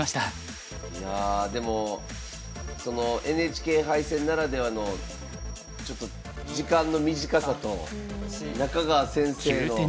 いやでもＮＨＫ杯戦ならではのちょっと時間の短さと中川先生の放つ圧。